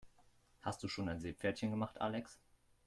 Hast du schon dein Seepferdchen gemacht, Alex?